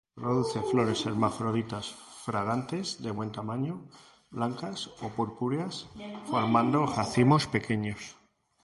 Produce flores hermafroditas, fragantes, de buen tamaño, blancas o purpúreas, formando racimos pequeños.